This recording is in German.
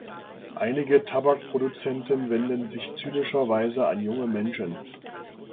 Einige Tabakproduzenten wenden sich zynischerweise an junge Menschen.